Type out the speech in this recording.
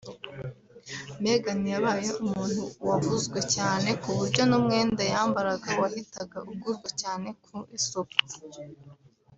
Meghan yabaye umuntu wavuzwe cyane ku buryo n’umwenda yambaraga wahitaga ugurwa cyane ku isoko